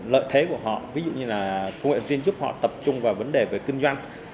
lợi thế của họ ví dụ như là công nghệ zin giúp họ tập trung vào vấn đề về kinh doanh